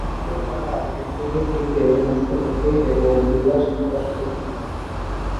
এতে তারা এর চতুর্দিকে নাচতে থাকে এবং উল্লাস প্রকাশ করতে থাকে।